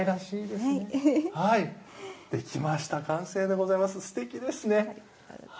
すてきですね。